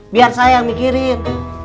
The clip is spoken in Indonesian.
biar saya yang mikirin